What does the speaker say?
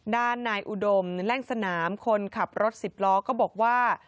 ด้านนายอุดมแล่งสนามคนขับรถสิบล้อก็บอกว่า